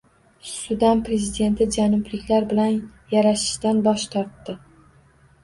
Sudan prezidenti janubliklar bilan yarashishdan bosh tortdi